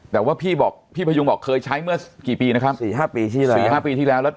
แต่ว่าพี่บอกพี่พะยุงบอกเคยใช้เมื่อกี่ปีนะครับ๔๕ปีที่แล้ว